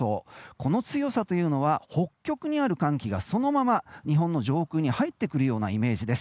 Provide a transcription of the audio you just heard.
この強さというのは北極にある寒気がそのまま日本の上空に入ってくるようなイメージです。